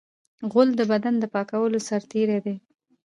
غول د بدن د پاکولو سرتېری دی.